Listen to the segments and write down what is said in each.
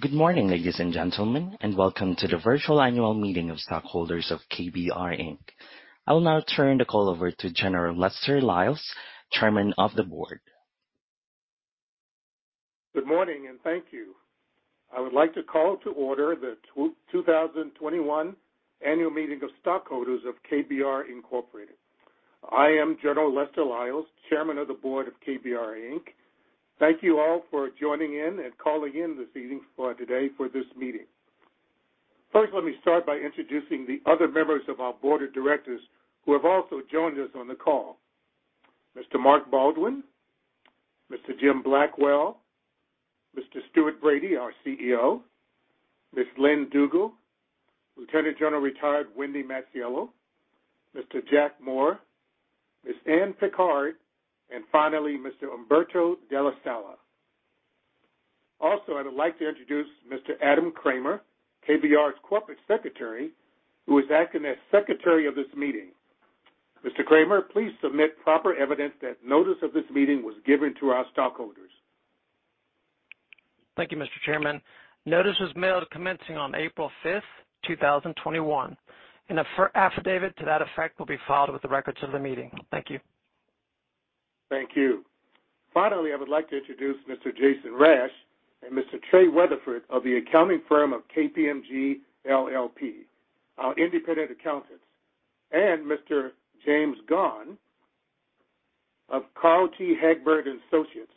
Good morning, ladies and gentlemen, and welcome to the virtual Annual Meeting of Stockholders of KBR, Inc. I will now turn the call over to General Lester Lyles, Chairman of the Board. Good morning, and thank you. I would like to call to order the 2021 Annual Meeting of Stockholders of KBR, Incorporated. I am General Lester Lyles, Chairman of the Board of KBR, Inc. Thank you all for joining in and calling in this evening for today for this meeting. First, let me start by introducing the other members of our Board of Directors who have also joined us on the call. Mr. Mark Baldwin, Mr. Jim Blackwell, Mr. Stuart Bradie, our CEO, Ms. Lynn Dugle, Lieutenant General Retired Wendy Masiello, Mr. Jack Moore, Ms. Ann Pickard, and finally, Mr. Umberto della Sala. Also, I'd like to introduce Mr. Adam Kramer, KBR's Corporate Secretary, who is acting as Secretary of this meeting. Mr. Kramer, please submit proper evidence that notice of this meeting was given to our stockholders. Thank you, Mr. Chairman. Notice was mailed commencing on April 5th, 2021, and an affidavit to that effect will be filed with the records of the meeting. Thank you. Thank you. Finally, I would like to introduce Mr. Jason Rash and Mr. Trey Weatherford of the accounting firm of KPMG LLP, our independent accountants. Mr. James Gaughan of Carl T. Hagberg & Associates,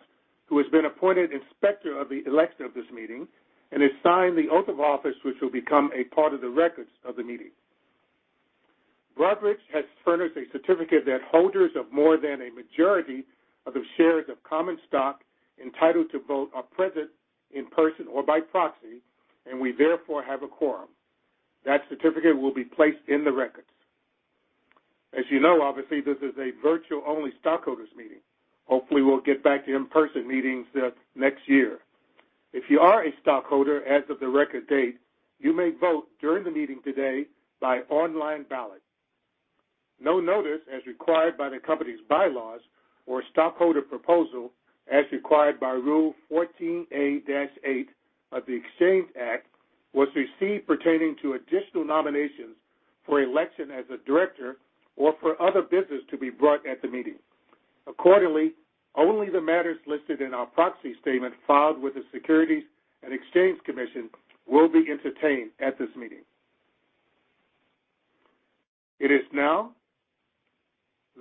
who has been appointed Inspector of the Election of this meeting and has signed the Oath of Office, which will become a part of the records of the meeting. Rutledge has furnished a certificate that holders of more than a majority of the shares of common stock entitled to vote are present in person or by proxy, and we therefore have a quorum. That certificate will be placed in the records. As you know, obviously, this is a virtual-only stockholders meeting. Hopefully, we'll get back to in-person meetings next year. If you are a stockholder as of the record date, you may vote during the meeting today by online ballot. No notice, as required by the company's bylaws or stockholder proposal, as required by Rule 14a-8 of the Exchange Act, was received pertaining to additional nominations for election as a director or for other business to be brought at the meeting. Accordingly, only the matters listed in our Proxy Statement filed with the Securities and Exchange Commission will be entertained at this meeting.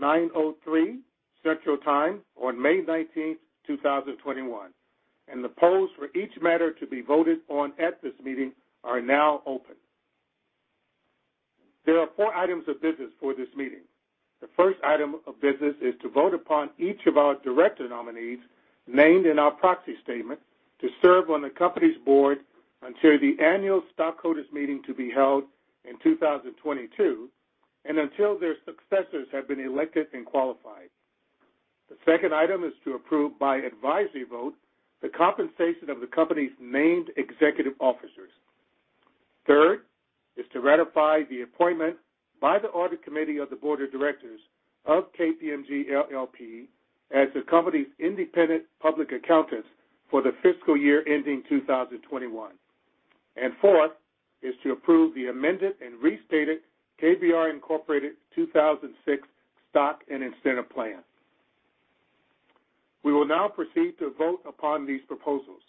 It is now 9:03 A.M. Central Time on May 19th, 2021, and the polls for each matter to be voted on at this meeting are now open. There are four items of business for this meeting. The first item of business is to vote upon each of our Director Nominees named in our Proxy Statement to serve on the Company's Board until the Annual Stockholders Meeting to be held in 2022 and until their successors have been elected and qualified. The second item is to approve by advisory vote the compensation of the company's named executive officers. Third is to ratify the appointment by the Audit Committee of the Board of Directors of KPMG LLP as the company's independent public accountants for the fiscal year ending 2021. Fourth is to approve the Amended and Restated KBR, Incorporated 2006 Stock and Incentive Plan. We will now proceed to vote upon these proposals.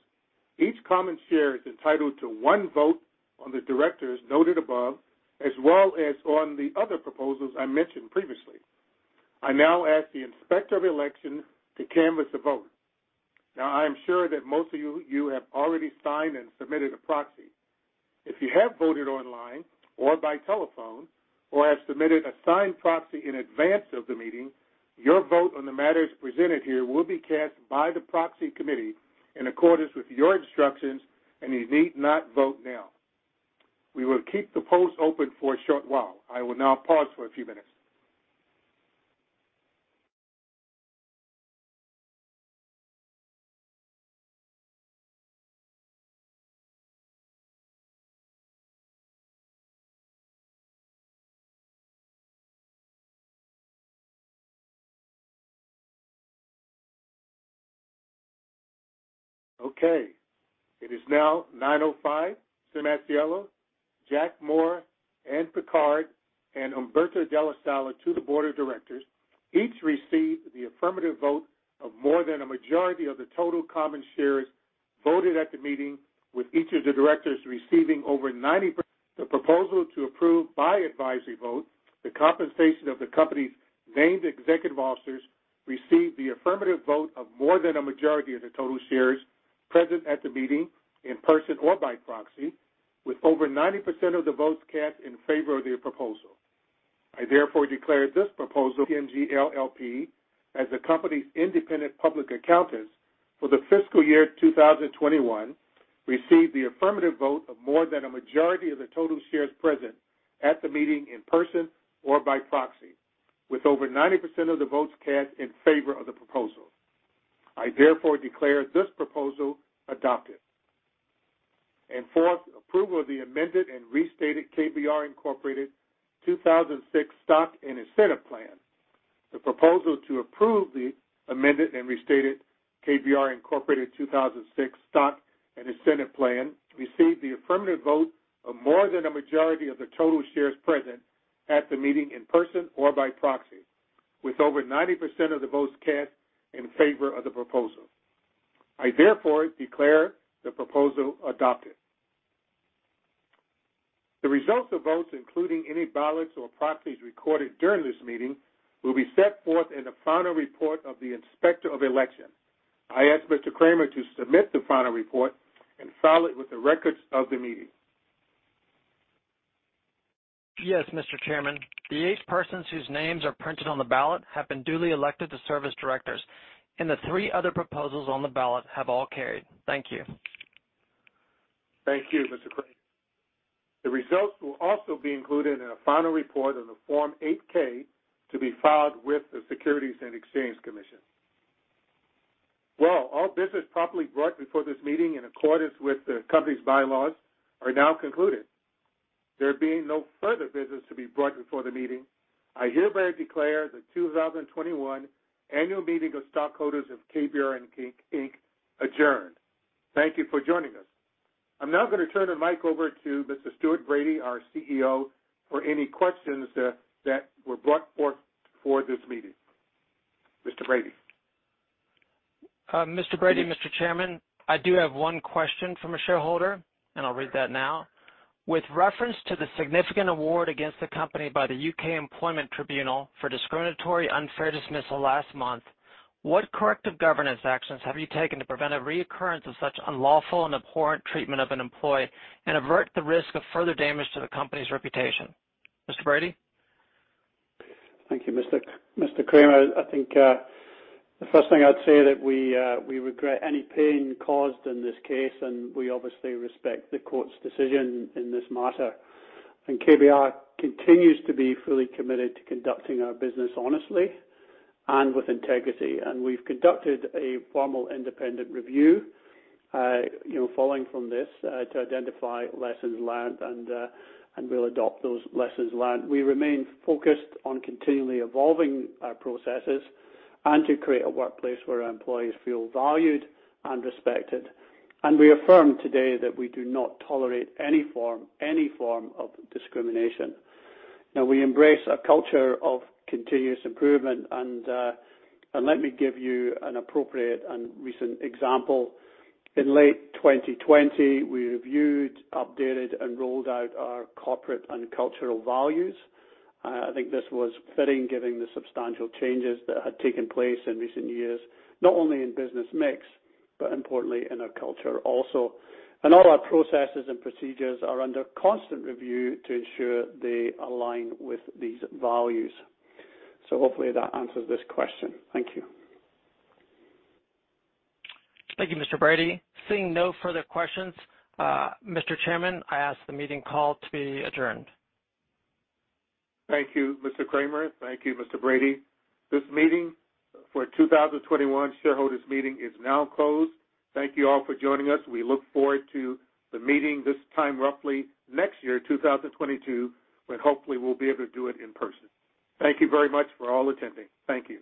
Each common share is entitled to one vote on the directors noted above, as well as on the other proposals I mentioned previously. I now ask the Inspector of Election to canvass the vote. I'm sure that most of you have already signed and submitted a proxy. If you have voted online or by telephone or have submitted a signed proxy in advance of the meeting, your vote on the matters presented here will be cast by the proxy committee in accordance with your instructions, and you need not vote now. We will keep the polls open for a short while. I will now pause for a few minutes. Okay. It is now 9:05 A.M. Masiello, Jack Moore, Ann Pickard, and Umberto della Sala to the Board of Directors each received the affirmative vote of more than a majority of the total common shares voted at the meeting, with each of the directors receiving over 90%. The proposal to approve by advisory vote the compensation of the company's named executive officers received the affirmative vote of more than a majority of the total shares present at the meeting in person or by proxy, with over 90% of the votes cast in favor of the proposal. I therefore declare this proposal, KPMG LLP as the company's independent public accountants for the fiscal year 2021 received the affirmative vote of more than a majority of the total shares present at the meeting in person or by proxy, with over 90% of the votes cast in favor of the proposal. I therefore declare this proposal adopted. Fourth, approval of the Amended and Restated KBR Incorporated 2006 Stock and Incentive Plan. The proposal to approve the Amended and Restated KBR Incorporated 2006 Stock and Incentive Plan received the affirmative vote of more than a majority of the total shares present at the meeting in person or by proxy, with over 90% of the votes cast in favor of the proposal. I therefore declare the proposal adopted. The results of votes, including any ballots or proxies recorded during this meeting, will be set forth in a final report of the Inspector of Election. I ask Mr. Kramer to submit the final report and file it with the records of the meeting. Yes, Mr. Chairman. The eight persons whose names are printed on the ballot have been duly elected to serve as directors, and the three other proposals on the ballot have all carried. Thank you. Thank you, Mr. Kramer. The results will also be included in a final report on the Form 8-K to be filed with the Securities and Exchange Commission. Well, all business properly brought before this meeting in accordance with the company's bylaws are now concluded. There being no further business to be brought before the meeting, I hereby declare the 2021 Annual Meeting of Stockholders of KBR, Inc adjourned. Thank you for joining us. I'm now going to turn the mic over to Mr. Stuart Bradie, our CEO, for any questions that were brought forth for this meeting. Mr. Bradie. Mr. Bradie, Mr. Chairman, I do have one question from a shareholder, and I'll read that now. With reference to the significant award against the company by the U.K. Employment Tribunal for discriminatory unfair dismissal last month, what corrective governance actions have you taken to prevent a recurrence of such unlawful and abhorrent treatment of an employee and avert the risk of further damage to the company's reputation? Mr. Bradie? Thank you, Mr. Kramer. I think the first thing I'd say that we regret any pain caused in this case, and we obviously respect the court's decision in this matter. KBR continues to be fully committed to conducting our business honestly and with integrity. We've conducted a formal independent review following from this to identify lessons learned, and we'll adopt those lessons learned. We remain focused on continually evolving our processes and to create a workplace where our employees feel valued and respected. We affirm today that we do not tolerate any form of discrimination. We embrace a culture of continuous improvement, and let me give you an appropriate and recent example. In late 2020, we reviewed, updated, and rolled out our corporate and cultural values. I think this was fitting given the substantial changes that had taken place in recent years, not only in business mix, but importantly in our culture also. All our processes and procedures are under constant review to ensure they align with these values. Hopefully that answers this question. Thank you. Thank you, Mr. Bradie. Seeing no further questions, Mr. Chairman, I ask the meeting call to be adjourned. Thank you, Mr. Kramer. Thank you, Mr. Bradie. This 2021 [Stockholders] Meeting is now closed. Thank you all for joining us. We look forward to the meeting this time roughly next year, 2022, when hopefully we'll be able to do it in person. Thank you very much for all attending. Thank you.